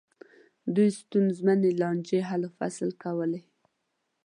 دوی ستونزمنې لانجې حل و فصل کولې.